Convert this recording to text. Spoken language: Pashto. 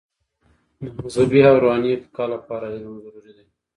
د مذهبي او روحاني ارتقاء لپاره علم ضروري دی.